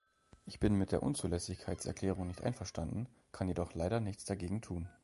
Ich bin mit der Unzulässigkeitserklärung nicht einverstanden, kann jedoch leider nichts dagegen tun.